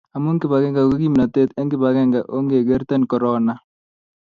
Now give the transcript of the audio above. amu kibagenge ko kimnatet , eng' kibagenge ongekerten korona